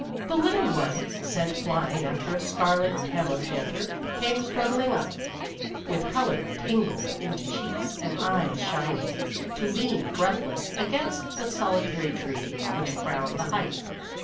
The little one, sent flying after a scarlet tam o' shanter, came struggling up, with color tingled into cheeks and eyes shining, to lean breath less against the solitary tree which crowned the height.